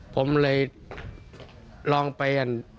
ผมเลยลองไป